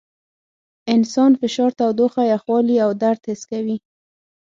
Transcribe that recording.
انسان فشار، تودوخه، یخوالي او درد حس کوي.